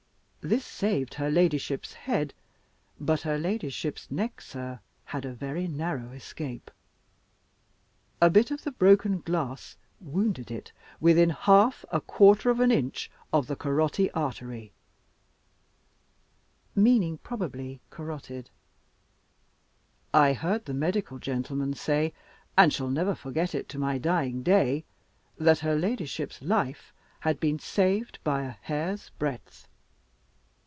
This saved her ladyship's head. But her ladyship's neck, sir, had a very narrow escape. A bit of the broken glass wounded it within half a quarter of an inch of the carotty artery" (meaning, probably, carotid); "I heard the medical gentleman say, and shall never forget it to my dying day, that her ladyship's life had been saved by a hair breadth.